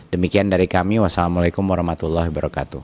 demikian dari kami wassalamu alaikum warahmatullahi wabarakatuh